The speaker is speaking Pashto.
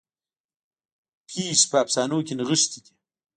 پیښې په افسانو کې نغښتې دي.